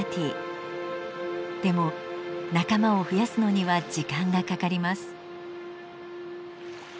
でも仲間を増やすのには時間がかかります。